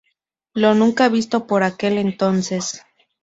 Lo nunca visto por aquel entonces.